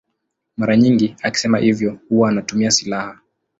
Mara nyingi akisema hivyo huwa anatumia silaha.